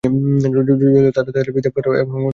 যদিও তারা তাদের পিতা, পুত্র, ভাই বা বংশের লোক হয়।